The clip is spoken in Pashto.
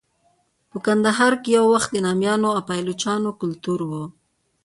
په کندهار کې یو وخت د نامیانو او پایلوچانو کلتور و.